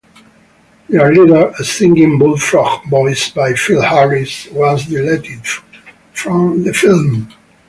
Their leader, a singing bullfrog voiced by Phil Harris, was deleted from the film.